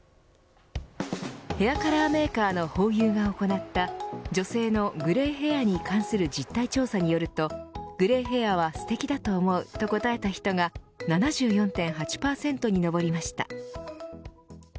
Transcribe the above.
ヘアカラーメーカーのホーユーが行った女性のグレイヘアに関する実態調査によるとグレイヘアはすてきだと思うと答えた人が７４．８％に上りました。